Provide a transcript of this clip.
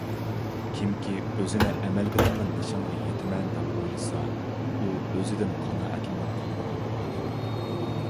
كىمكى ئۆزىنى ئەمەل بىلەنلا نىشانغا يېتىمەن، دەپ ئويلىسا ئۇ ئۆزىدىن قانائەتلىنىپ قالىدىغان ئادەمدۇر.